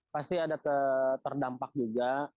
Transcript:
pasti ada terdampak juga